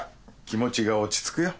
気持ちが落ち着くよ。